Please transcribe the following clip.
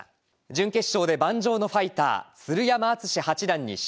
準決勝で盤上のファイター鶴山淳志八段に勝利。